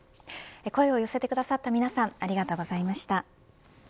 声を寄せてくださった皆さんありがとうございました。